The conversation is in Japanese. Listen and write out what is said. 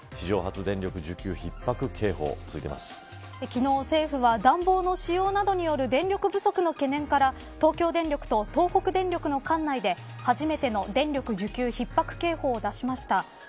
昨日に引き続き昨日、政府は、暖房の使用などによる電力不足の懸念から東京電力と東北電力の管内で初めての電力需給ひっ迫警報を出しました。